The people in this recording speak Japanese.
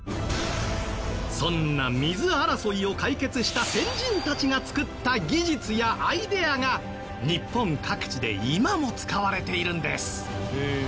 そんな水争いを解決した先人たちがつくった技術やアイデアが日本各地で今も使われているんです。